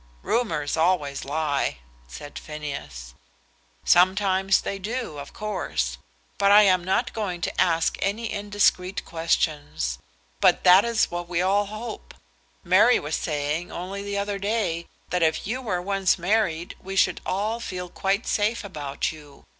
"Rumours always lie," said Phineas. "Sometimes they do, of course; and I am not going to ask any indiscreet questions. But that is what we all hope. Mary was saying, only the other day, that if you were once married, we should all feel quite safe about you.